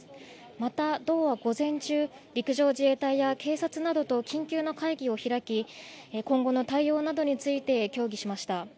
また道は午前中、陸上自衛隊や警察などと緊急の会議を開き、今後の対応などについて協議しました。